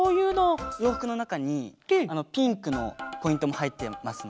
ようふくのなかにピンクのポイントもはいってますので。